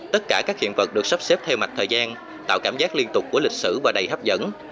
tất cả các hiện vật được sắp xếp theo mặt thời gian tạo cảm giác liên tục của lịch sử và đầy hấp dẫn